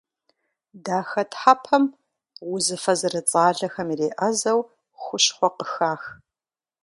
Дахэтхьэпэм узыфэ зэрыцӏалэхэм иреӏэзэу хущхъуэ къыхах.